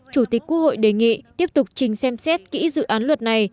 chủ tịch quốc hội đề nghị tiếp tục trình xem xét kỹ dự án luật này